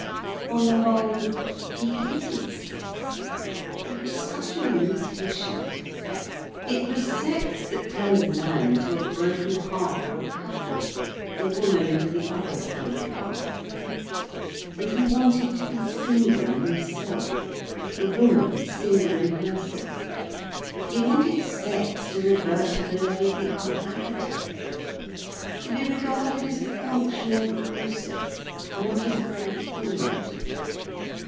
On the whole, he hated sex, it was such a limitation. It was sex that turned a man into a broken half of a couple, the woman into the other broken half. And he wanted to be single in himself, the woman single in herself. He wanted sex to revert to the level of the other appetites, to be regarded as a functional process, not as a fulfilment.